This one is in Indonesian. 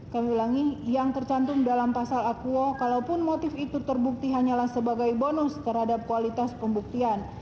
kami ulangi yang tercantum dalam pasal akuo kalaupun motif itu terbukti hanyalah sebagai bonus terhadap kualitas pembuktian